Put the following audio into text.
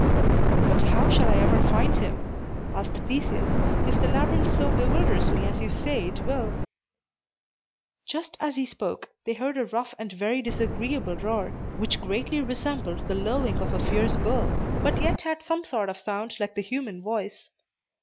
"But how shall I ever find him," asked Theseus, "if the labyrinth so bewilders me as you say it will?" Just as he spoke, they heard a rough and very disagreeable roar, which greatly resembled the lowing of a fierce bull, but yet had some sort of sound like the human voice.